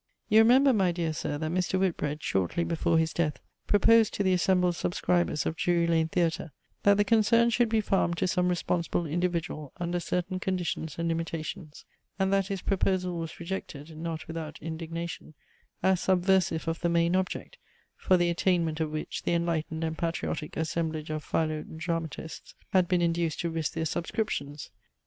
You remember, my dear Sir, that Mr. Whitbread, shortly before his death, proposed to the assembled subscribers of Drury Lane Theatre, that the concern should be farmed to some responsible individual under certain conditions and limitations: and that his proposal was rejected, not without indignation, as subversive of the main object, for the attainment of which the enlightened and patriotic assemblage of philodramatists had been induced to risk their subscriptions.